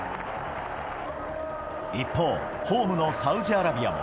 一方、ホームのサウジアラビアも。